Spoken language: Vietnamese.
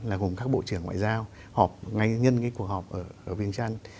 là gồm các bộ trưởng ngoại giao họp ngay nhân cái cuộc họp ở viên trang